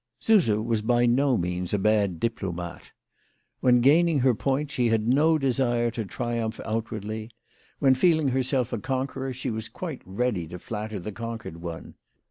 Suse was by no means a bad diplomate. When gaining her point she had no desire to triumph out wardly. When feeling herself a conqueror, she was WHY FRAU FROHMANN EAISED HER PRICES. 89 quite ready to flatter the conquered one.